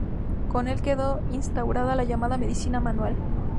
Con el quedó instaurada la llamada Medicina Manual.